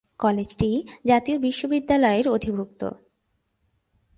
কলেজটি জাতীয় বিশ্ববিদ্যালয়ের অধিভুক্ত।